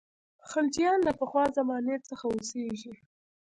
خلجیان له پخوا زمانې څخه اوسېږي.